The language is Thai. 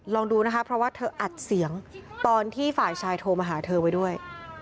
ลองดูนะคะเพราะว่าเธออัดเสียงตอนที่ฝ่ายชายโทรมาหาเธอไว้ด้วย